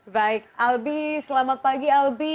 baik albi selamat pagi albi